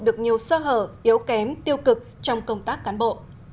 được nhiều sơ hở yếu kém tiêu cực trong công tác cán bộ